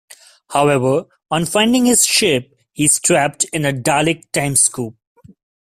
However, on finding his ship he is trapped in a Dalek time scoop.